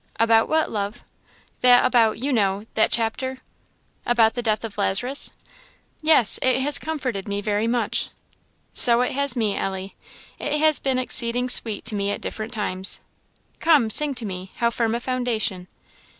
"About what, love?" "That about you know that chapter." "About the death of Lazarus?" "Yes. It has comforted me very much." "So it has me, Ellie. It has been exceeding sweet to me at different times. Come, sing to me 'How firm a foundation.'